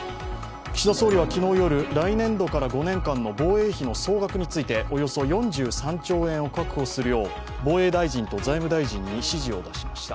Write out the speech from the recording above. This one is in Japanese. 岸田総理は昨日夜来年度から５年間の防衛費の総額についておよそ４３兆円を確保するよう防衛大臣と財務大臣に指示を出しました。